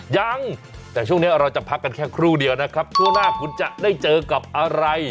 ยังแต่ช่วงนี้เราจะพักกันแค่ครู่เดียวนะครับช่วงหน้าคุณจะได้เจอกับอะไร